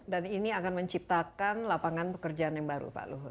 dan ini akan menciptakan lapangan pekerjaan yang baru pak luhut